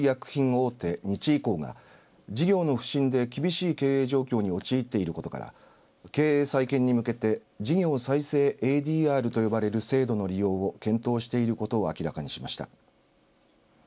大手日医工が事業の不振で厳しい経営状況に陥っていることから経営再建に向けて事業再生ＡＤＲと呼ばれる制度の利用を検討していることを明らかにしました。